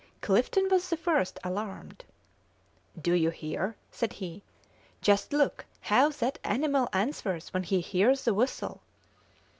Clifton was the first alarmed. "Do you hear?" said he. "Just look how that animal answers when he hears the whistle."